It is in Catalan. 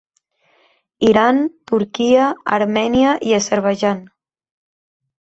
Iran, Turquia, Armènia i Azerbaidjan.